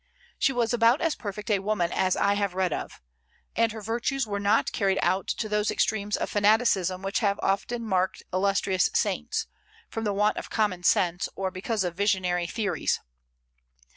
She was about as perfect a woman as I have read of; and her virtues were not carried out to those extremes of fanaticism which have often marked illustrious saints, from the want of common sense or because of visionary theories.